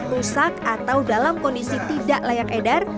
rusak atau dalam kondisi tidak layak edar